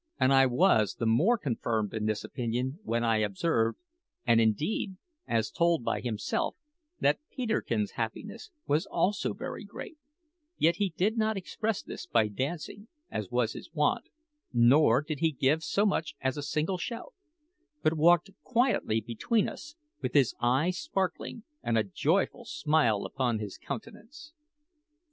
And I was the more confirmed in this opinion when I observed and, indeed, as told by himself that Peterkin's happiness was also very great; yet he did not express this by dancing, as was his wont, nor did he give so much as a single shout, but walked quietly between us with his eye sparkling and a joyful smile upon his countenance.